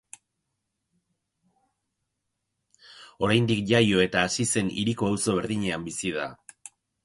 Oraindik jaio eta hazi zen hiriko auzo berdinean bizi da.